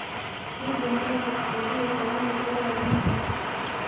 نور ګوندونه د اقتصادي هوساینې لپاره اړین دي